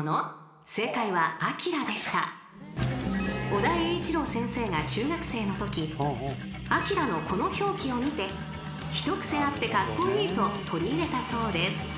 ［尾田栄一郎先生が中学生のとき『ＡＫＩＲＡ』のこの表記を見て一癖あってカッコイイと取り入れたそうです］